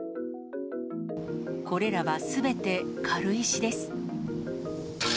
これらはすべて軽石です。